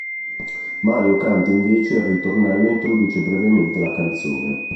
Mario canta invece il ritornello e introduce brevemente la canzone.